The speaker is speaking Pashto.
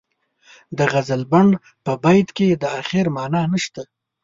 د غزلبڼ په بیت کې د اخر معنا نشته.